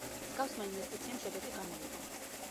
მსგავსმა ინვესტიციამ შედეგი გამოიღო.